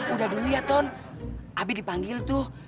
udah dulu ya tony abi dipanggil tuh